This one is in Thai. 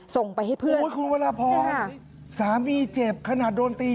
ส่งไปให้เพื่อนคุณวรพรสามีเจ็บขนาดโดนตี